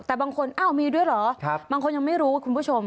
แต่บางคนอ้าวมีด้วยเหรอบางคนยังไม่รู้คุณผู้ชม